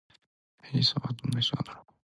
エジソンはどんな人なのだろうか？